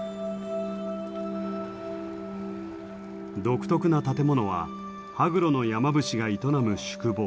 独特な建物は羽黒の山伏が営む宿坊。